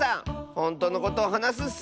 ほんとうのことをはなすッス！